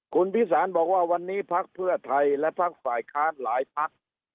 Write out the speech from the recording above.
คุณวิสานบอกว่าวันนี้ภักดิ์เพื่อไทยและภักดิ์ฝ่ายค้านหลายภักดิ์